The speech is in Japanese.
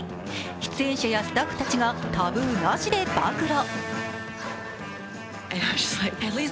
出演者やスタッフたちがタブーなしで暴露。